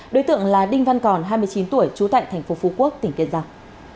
đối tượng là đinh văn còn hai mươi chín tuổi trú tại tp phú quốc tỉnh kiên giang